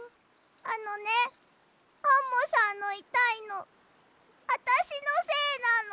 あのねアンモさんのいたいのあたしのせいなの。